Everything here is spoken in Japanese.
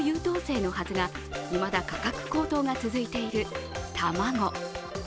価格の優等生のはずが、いまだ価格高騰が続いている卵。